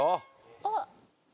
あっ